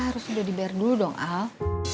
harus sudah dibayar dulu dong al